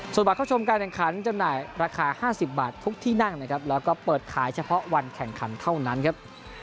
ส่วนบัตรเข้าชมการแข่งขันจำหน่ายราคา๕๐บาททุกที่นั่งนะครับแล้วก็เปิดขายเฉพาะวันแข่งขันเท่านั้นครับ